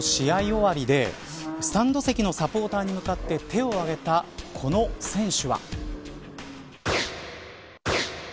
終わりでスタンド席のサポーターに向かって手を挙げたこの選手は。